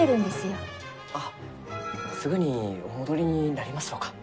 あっすぐにお戻りになりますろうか？